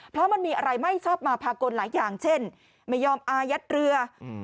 เพราะมันมีอะไรไม่ชอบมาพากลหลายอย่างเช่นไม่ยอมอายัดเรือ